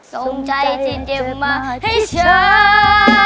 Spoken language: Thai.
ส่งใจที่เจ็บมาให้ฉัน